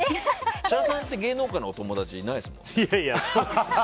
設楽さんって芸能界のお友達いないですもんね。